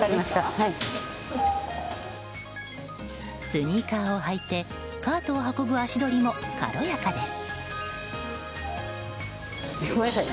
スニーカーを履いてカートを運ぶ足取りも軽やかです。